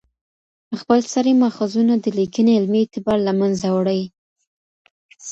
خپلسري ماخذونه د لیکني علمي اعتبار له منځه وړي.